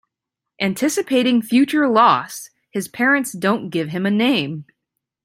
Anticipating future loss, his parents don't give him a name.